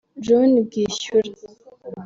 John Bwishyura